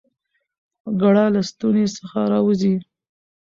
ګړه له ستوني څخه راوزي؟